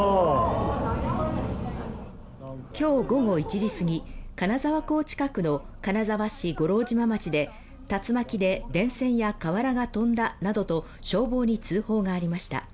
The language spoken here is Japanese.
今日午後１時すぎ、金沢港近くの金沢市五郎島町で竜巻で電線や瓦が飛んだなどと消防に通報がありました。